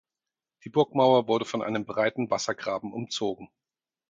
Die Burgmauer wurde von einem breiten Wassergraben umzogen.